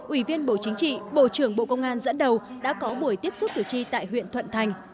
ủy viên bộ chính trị bộ trưởng bộ công an dẫn đầu đã có buổi tiếp xúc cử tri tại huyện thuận thành